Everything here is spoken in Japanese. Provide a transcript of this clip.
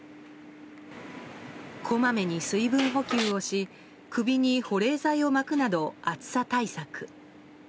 こまめに水分補給をし首に保冷剤を巻くなど暑さ対策。